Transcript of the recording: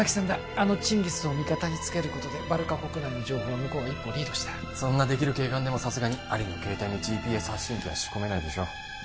あのチンギスを味方につけることでバルカ国内の情報は向こうが一歩リードしたそんなできる警官でもさすがにアリの携帯にＧＰＳ発信機は仕込めないでしょ